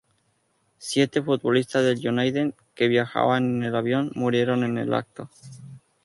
Siete futbolistas del United que viajaban en el avión murieron en el acto.